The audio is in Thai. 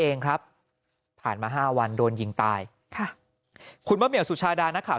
เองครับผ่านมา๕วันโดนยิงตายคุณว่าเมียสุชาดานักข่าว